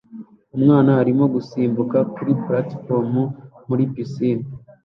Umwana arimo gusimbuka kuri platifomu muri pisine